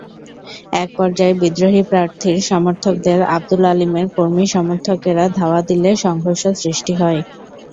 একপর্যায়ে বিদ্রোহী প্রার্থীর সমর্থকদের আবদুল আলীমের কর্মী-সমর্থকেরা ধাওয়া দিলে সংঘর্ষের সৃষ্টি হয়।